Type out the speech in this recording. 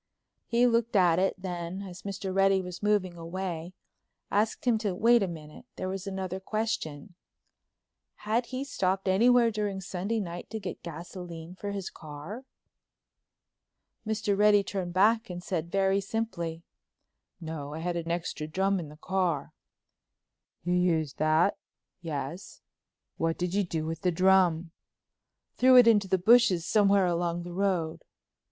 He looked at it, then, as Mr. Reddy was moving away, asked him to wait a minute; there was another question—had he stopped anywhere during Sunday night to get gasoline for his car? Mr. Reddy turned back and said very simply: "No, I had an extra drum in the car." "You used that?" "Yes." "What did you do with the drum?" "Threw it into the bushes somewhere along the road."